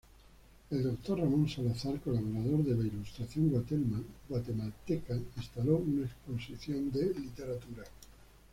El doctor Ramón Salazar, colaborador de "La Ilustración Guatemalteca" instaló una exposición de Literatura.